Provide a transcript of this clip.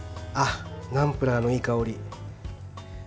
ナムプラーのいい香り。